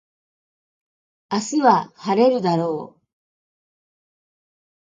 明日は晴れるだろう